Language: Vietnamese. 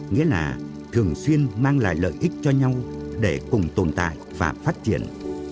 nghĩa là thường xuyên mang lại lợi ích cho nhau để cùng tồn tại và phát triển